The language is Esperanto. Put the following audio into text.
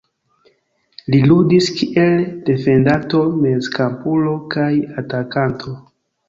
Li ludis kiel defendanto, mezkampulo kaj atakanto.